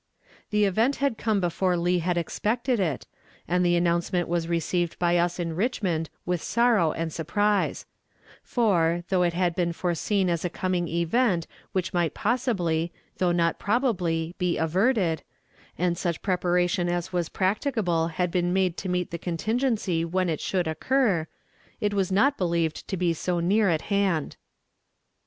The event had come before Lee had expected it, and the announcement was received by us in Richmond with sorrow and surprise; for, though it had been foreseen as a coming event which might possibly, though not probably, be averted, and such preparation as was practicable had been made to meet the contingency when it should occur, it was not believed to be so near at hand.